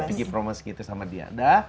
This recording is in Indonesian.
bikin promise gitu sama yanda